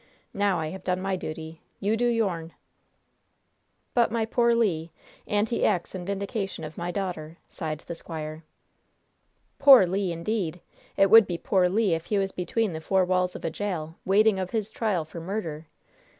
Now, I have done my duty. You do your'n!" "But my poor Le! And he acts in vindication of my daughter!" sighed the squire. "'Poor Le,' indeed! It would be poor Le if he was between the four walls of a jail, waiting of his trial for murder!